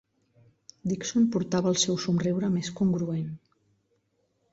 Dickson portava el seu somriure més congruent.